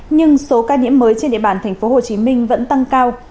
nhưng số ca nhiễm mới trên địa bàn tp hcm vẫn tăng cao